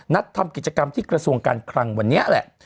ทำกิจกรรมที่กระทรวงการคลังวันนี้แหละ